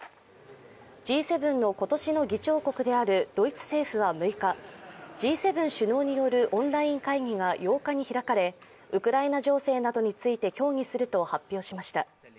Ｇ７の今年の議長国であるドイツ政府は６日、Ｇ７首脳によるオンライン会議が８日に開かれウクライナ情勢などについて協議すると発表しました。